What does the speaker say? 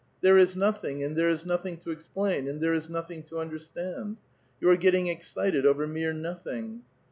There is nothing, and there is nothing to explain, and there is nothing to understand. ^^on are getting excited over mere nothing."